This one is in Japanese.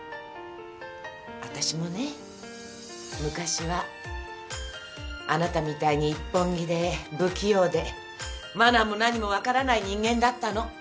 私もね昔はあなたみたいに一本気で不器用でマナーも何も分からない人間だったの。